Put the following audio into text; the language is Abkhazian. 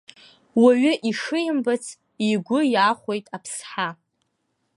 Уаҩы ишимбац игәы иахәеит аԥсҳа.